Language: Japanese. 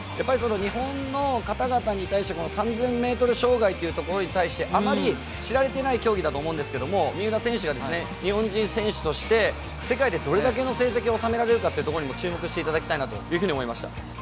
日本の方々に対して３０００ｍ障害というところに対してあまり知られていない競技だと思うんですけど三浦選手が日本人選手として、世界でどれだけの成績を収められるかというのにも注目していただきたいなと思いました。